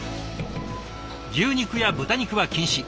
牛肉や豚肉は禁止。